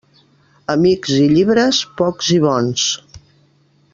Amics i llibres, pocs i bons.